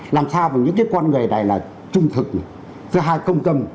làm sao mà những cái con người này là trung thực thứ hai không cầm